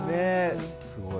すごい。